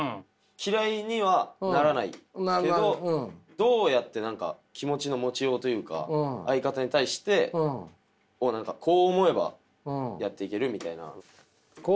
嫌いにはならないけどどうやって気持ちの持ちようというか相方に対してこう思えばやっていける。